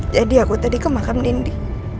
jadi aku tadi ke makam nindi